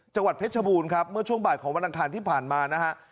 จังหวัดเพชรบูรณ์ครับเมื่อช่วงบ่ายของวันอังคารที่ผ่านมานะฮะ